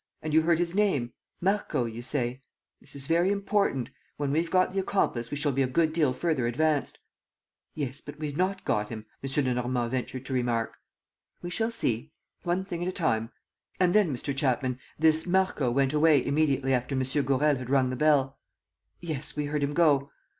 And you heard his name! ... Marco, you say? ... This is very important. When we've got the accomplice, we shall be a good deal further advanced. ..." "Yes, but we've not got him," M. Lenormand ventured to remark. "We shall see. ... One thing at a time. ... And then, Mr. Chapman, this Marco went away immediately after M. Gourel had rung the bell?" "Yes, we heard him go."